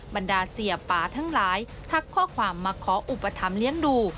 บรรดาเสียป่าทั้งหลายทักข้อความมาขออุปถัมภ์เลี้ยงดู